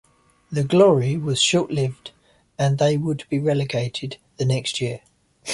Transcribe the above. The glory was short-lived and they would be relegated the next year.